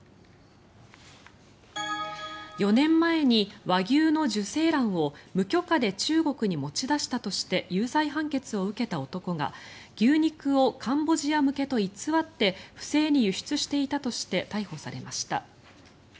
４年前に和牛の受精卵を無許可で中国に持ち出したとして有罪判決を受けた男が牛肉をカンボジア向けと偽って不正に輸出していたとして逮捕されました。